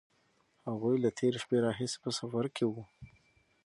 هغوی له تېرې شپې راهیسې په سفر کې وو.